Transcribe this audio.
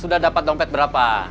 sudah dapat dompet berapa